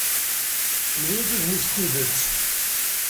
Mmel-iyi-d udem-ik n tidet.